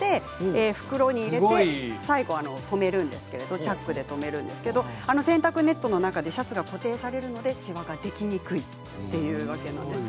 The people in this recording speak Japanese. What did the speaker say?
袋に入れて最後、留めるんですけどチャックで留めるんですけど洗濯ネットの中でシャツが固定されるのですしわができにくいというわけです。